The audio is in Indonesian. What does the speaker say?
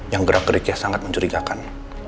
yang gerak geriknya sangat mencurigakan